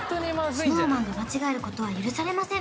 ＳｎｏｗＭａｎが間違えることは許されません